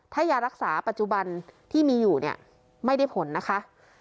ถ้ายารักษาปัจจุบันที่มีอยู่เนี่ยไม่ได้ผลนะคะ